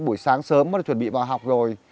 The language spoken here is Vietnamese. buổi sáng sớm mới chuẩn bị vào học rồi